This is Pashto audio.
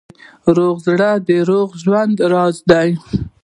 روغ زړه د روغ ژوند راز دی.